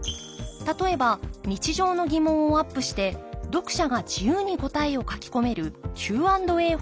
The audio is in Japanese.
例えば日常の疑問をアップして読者が自由に答えを書き込めるＱ＆Ａ方式のもの。